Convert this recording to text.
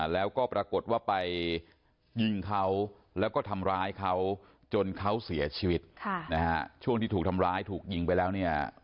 แล้วก็ปรากฏว่าไปยิงเขาแล้วก็ทำร้ายเขาจนเขาเสียชีวิตช่วงที่ถูกทำร้ายถูกยิงไปแล้วเนี่ย